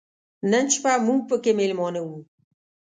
نن شپه موږ پکې مېلمانه و.